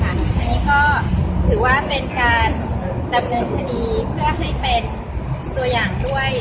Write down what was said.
อันนี้ก็ถือว่าเป็นการดำเนินคดีเพื่อให้เป็นตัวอย่างด้วย